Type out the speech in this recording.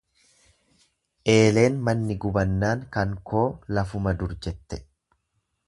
Eeleen manni gubannan kan koo lafuma dur jette.